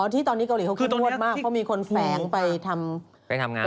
ที่ตอนนี้เกาหลีเขาเข้มงวดมากเพราะมีคนแฝงไปทำงาน